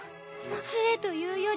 杖というより。